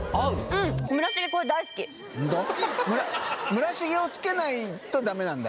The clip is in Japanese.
村重をつけないとダメなんだ？